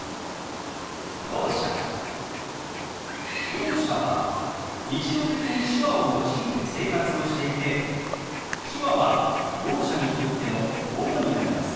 ろう者は日常的に手話を用いて生活をしていて手話はろう者にとっての母語になります。